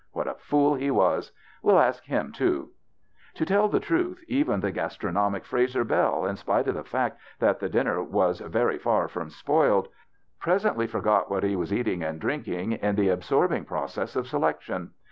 What a fool he was ! We'll ask him too." To tell the truth, even the gastronomic 36 THE BACHELOR'S CHRISTMAS Frazer Bell, in sj^ite of the fact that the din ner was very far from spoiled, presently for got what he was eating and drinking in the absorbing process of selection.